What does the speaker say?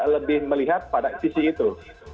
lebih melihat pada sisi itu